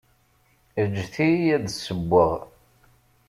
Ǧǧet-iyi ad d-ssewweɣ.